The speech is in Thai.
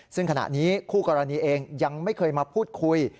ซึ่งขณะนี้คู่กรณีเองยังไม่เคยมาพูดคุย